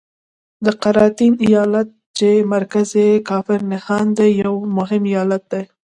د قراتګین ایالت چې مرکز یې کافر نهان دی یو مهم ایالت دی.